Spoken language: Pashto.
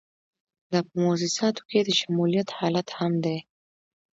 دا په موسساتو کې د شمولیت حالت هم دی.